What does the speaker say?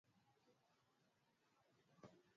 Wamasai hutumia sauti zao pekee wanapokuwa wanaimba